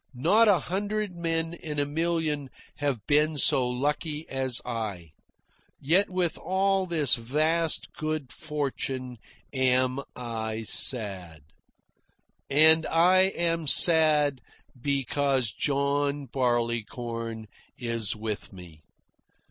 Not a hundred men in a million have been so lucky as I. Yet, with all this vast good fortune, am I sad. And I am sad because John Barleycorn is with me.